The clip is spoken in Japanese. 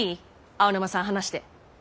青沼さん話して。